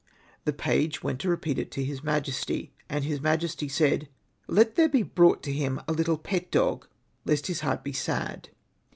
The page went to repeat it to his majesty. And his majesty said, " Let there be brought to him a little pet dog, lest his heart be sad."